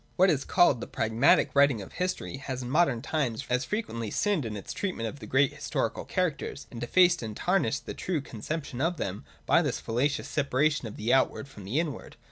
What is called the ' pragmatic ' writing of history has in modern times frequently sinned in its treatment of great historical characters, and defaced and tarnished the true con ception of them by this fallacious separation of the outward from the inward.